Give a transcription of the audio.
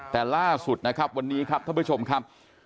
แต่ล่าสุดนะครับวันนี้ครับท่านผู้ชมครับ